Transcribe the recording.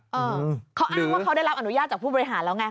เออเขาอ้างว่าเขาได้รับอนุญาตจากผู้บริหารแล้วไง